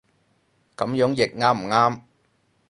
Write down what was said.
噉樣譯啱唔啱